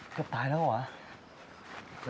เกือบตายแล้วเหรอ